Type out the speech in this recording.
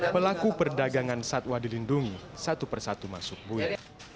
pelaku perdagangan satwa dilindungi satu persatu masuk buil